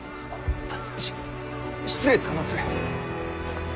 し失礼つかまつる！